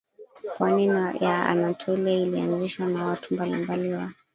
pwani ya Anatolia ilianzishwa na watu mbalimbali wa